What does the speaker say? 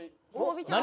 何？